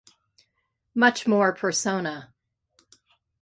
Much more persona.